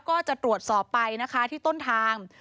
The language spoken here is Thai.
ก็จะตรวจสอบไปนะคะที่ต้นทาง